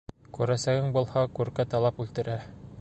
Күрәсәгең булһа, күркә талап үлтерә.